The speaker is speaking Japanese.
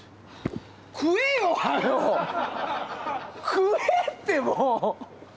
食えって、もう！